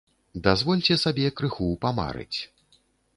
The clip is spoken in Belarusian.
Дазвольце сабе крыху памарыць.